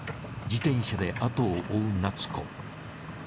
自転車で後を追う夏子。